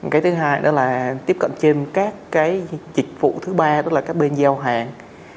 cái thứ hai đó là tiếp cận trên các cái dịch vụ thứ ba đó là các bên giao hàng